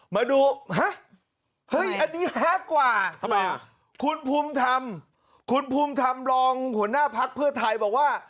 มาดูฮะเฮ้ยอันนี้ฮักกว่าทำไมคุณภูมิธรรมคุณภูมิธรรมรองหัวหน้าพักเพื่อไทยบอกว่า